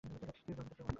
ইউরে, ভূতের চেয়েও ভয়ংকর।